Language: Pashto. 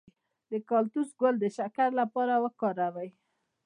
د کاکتوس ګل د شکر لپاره وکاروئ